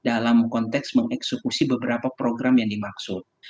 dan dalam konteks mengeksekusi beberapa program yang dimaksud